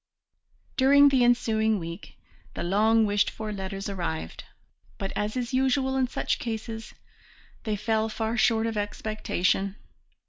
During the ensuing week the long wished for letters arrived, but, as is usual in such cases, they fell far short of expectation.